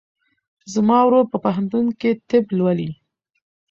زما ورور په پوهنتون کې طب لولي.